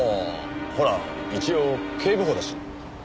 ほら一応警部補だし。